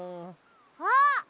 あっ！